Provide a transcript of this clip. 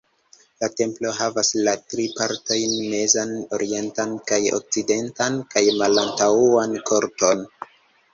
La templo havas la tri partojn mezan, orientan kaj okcidentan, kaj malantaŭan korton.